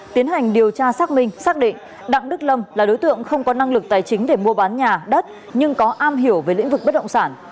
tiến hành điều tra xác minh xác định đặng đức lâm là đối tượng không có năng lực tài chính để mua bán nhà đất nhưng có am hiểu về lĩnh vực bất động sản